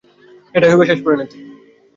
এটাই হবে তার শেষ পরিনতি।